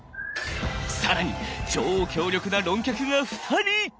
更に超強力な論客が２人！